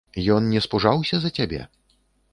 Ён не спужаўся за цябе?